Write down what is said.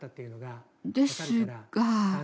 ですが。